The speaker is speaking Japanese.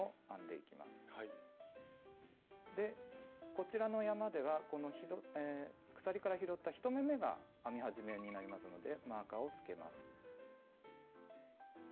こちらの山では鎖から拾った１目めが編み始めになりますのでマーカーをつけます。